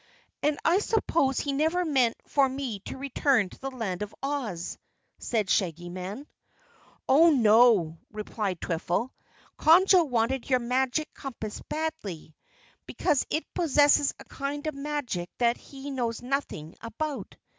"And I suppose he never meant for me to return to the Land of Oz," said the Shaggy Man. "Oh, no," replied Twiffle. "Conjo wanted your magic Compass badly, because it possesses a kind of magic that he knows nothing about.